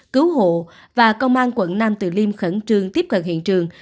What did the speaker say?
cứu hộ và công an quận nam từ liêm khẩn trương tiếp cận hiện trường